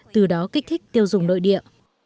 từ đó kích thích tiêu dùng nội địa